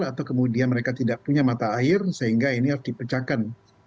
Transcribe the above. atau kemudian mereka tidak punya mata air sehingga ini harus dipecahkan